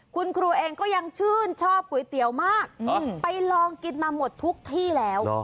คุณครูเองก็ยังชื่นชอบก๋วยเตี๋ยวมากไปลองกินมาหมดทุกที่แล้ว